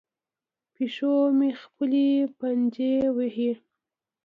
پیشو مې خپلې پنجې وهي.